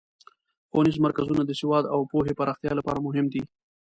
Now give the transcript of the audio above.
ښوونیز مرکزونه د سواد او پوهې پراختیا لپاره مهم دي.